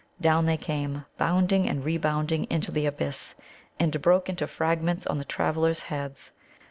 Down they came, bounding and rebounding into the abyss, and broke into fragments on the travellers' heads.